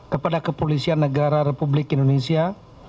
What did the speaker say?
kepada kepolisian negara republik indonesia